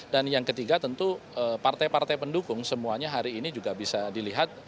dan yang ketiga tentu partai partai pendukung semuanya hari ini juga bisa dilihat